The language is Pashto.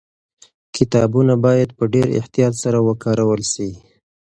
کتابونه باید په ډېر احتیاط سره وکارول سي.